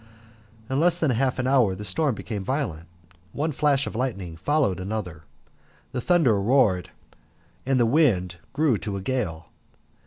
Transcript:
In less than half an hour the storm became violent, one flash of lightning followed another, the thunder roared, and the wind grew to a gale.